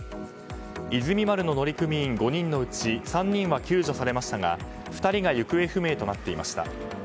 「いずみ丸」の乗組員５人のうち３人は救助されましたが２人が行方不明となっていました。